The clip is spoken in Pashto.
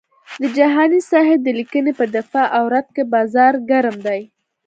د جهاني صاحب د لیکنې په دفاع او رد کې بازار ګرم دی.